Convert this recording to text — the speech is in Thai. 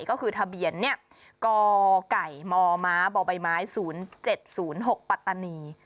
ก็คือทะเบียนเนี่ยกไก่มมบบศ๐๗๐๖ปัตตานี